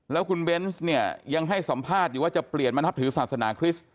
แล้วคุณเบนส์เนี่ยยังให้สัมภาษณ์อยู่ว่าจะเปลี่ยนมานับถือศาสนาคริสต์